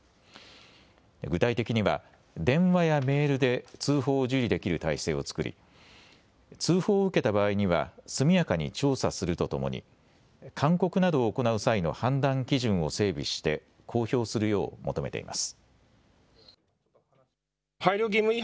具体的には電話やメールで通報を受理できる体制を作り通報を受けた場合には速やかに調査するとともに勧告などを行う際の判断基準を整備して公表するよう求めています。